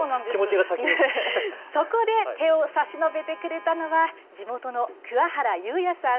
そこで手を差し伸べてくれたのは地元の桑原裕弥さん。